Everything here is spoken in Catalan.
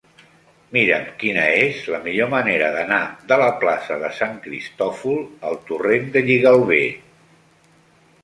Mira'm quina és la millor manera d'anar de la plaça de Sant Cristòfol al torrent de Lligalbé.